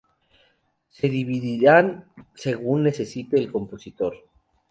Se dividirán según necesite el compositor.